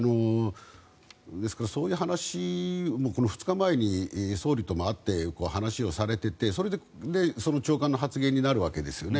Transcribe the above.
ですから、そういう話２日前に総理とも会って話をされていてその長官の発言になるわけですよね。